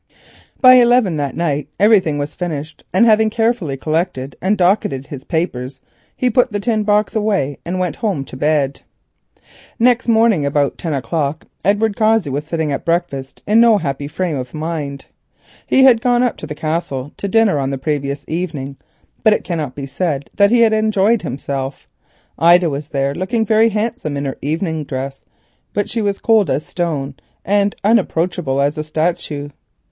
By eleven that night everything was finished, and having carefully collected and docketed his papers, he put the tin box away and went home to bed. Next morning, about ten o'clock, Edward Cossey was sitting at breakfast in no happy frame of mind. He had gone up to the Castle to dinner on the previous evening, but it cannot be said that he had enjoyed himself. Ida was there, looking very handsome in her evening dress, but she was cold as a stone and unapproachable as a statue.